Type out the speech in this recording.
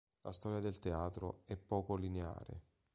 La storia del teatro è poco lineare.